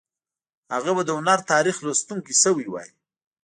هغه به د هنر تاریخ لوستونکی شوی وای